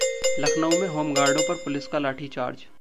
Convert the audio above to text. लखनऊ में होमगार्डों पर पुलिस का लाठीचार्ज